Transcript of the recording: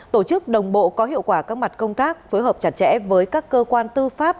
tổ chức đồng bộ có hiệu quả các mặt công tác phối hợp chặt chẽ với các cơ quan tư pháp